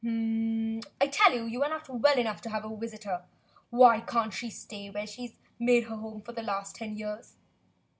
"I tell you, you are not well enough to have a visitor. Why can't she stay where she's made her home for the last ten years